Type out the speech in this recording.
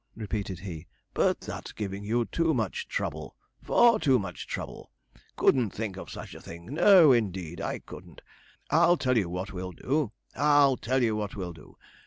repeated he; 'but that's giving you too much trouble far too much trouble! couldn't think of such a thing no, indeed, I couldn't. I'll tell you what we'll do I'll tell you what we'll do.